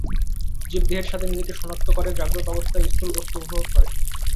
জীব, দেহের সাথে নিজেকে সনাক্ত করে, জাগ্রত অবস্থায় স্থূল বস্তু উপভোগ করে।